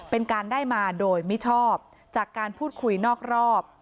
เป็นการได้มาโดยมิชอบจากการพูดคุยนอกรอบ